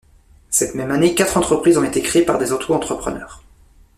Cette même année, quatre entreprises ont été créées par des Auto-entrepreneurs.